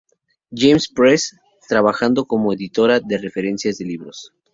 James Press, trabajando como editora de referencias de libros.